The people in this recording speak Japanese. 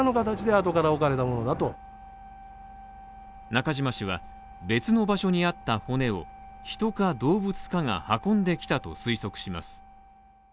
中島氏は別の場所にあった骨を人か動物かが運んできたと推測します。